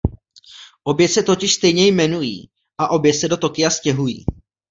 Obě se totiž stejně jmenují a obě se do Tokia stěhují.